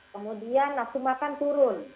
kemudian nafsu makan turun